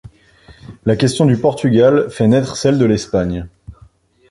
La question du Portugal fait naître celle d'Espagne.